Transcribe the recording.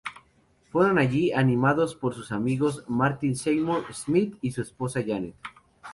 Fueron allí animados por sus amigos Martin Seymour- Smith y su esposa, Janet.